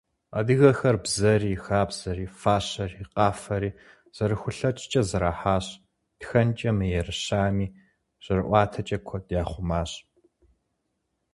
Адыгэхэр бзэри, хабзэри, фащэри, къафэри зэрахулъэкӏкӏэ зэрахьащ, тхэнкӏэ мыерыщами, жьэрыӏуатэкӏэ куэд яхъумащ.